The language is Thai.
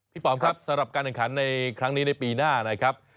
ป๋อมครับสำหรับการแข่งขันในครั้งนี้ในปีหน้านะครับ